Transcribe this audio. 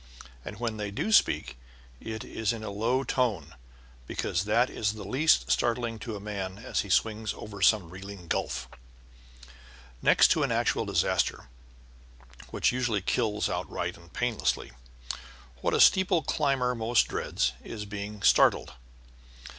And when they do speak it is in a low tone, because that is the least startling to a man as he swings over some reeling gulf. Next to an actual disaster (which usually kills outright and painlessly) what a steeple climber most dreads is being startled.